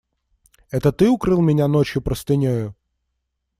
Это ты укрыл меня ночью простынею?